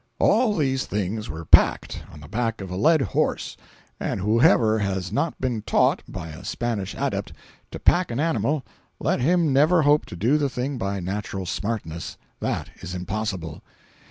All these things were "packed" on the back of a led horse—and whoever has not been taught, by a Spanish adept, to pack an animal, let him never hope to do the thing by natural smartness. That is impossible.